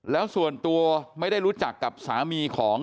แล้วส่วนตัวไม่ได้รู้จักกับสามีของ